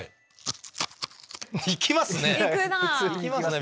いきますね。